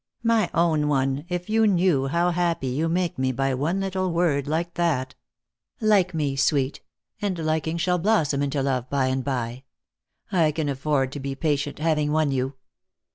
My own one, if you knew how happy you make me by one little word like that. Like me, sweet, and liking shall blossom into love, by and by. I can afford to be patient, having won you."